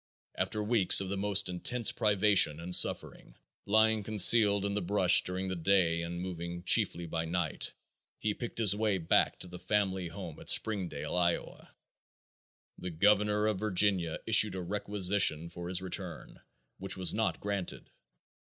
After weeks of the most intense privation and suffering, lying concealed in the brush during the day and moving chiefly by night, he picked his way back to the family home at Springdale, Iowa. The governor of Virginia issued a requisition for his return, which was not granted.